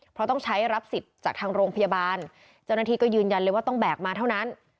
เพราะต้องใช้รับสิทธิ์จากทางโรงพยาบาลเจ้าหน้าที่ก็ยืนยันเลยว่าต้องแบกมาเท่านั้น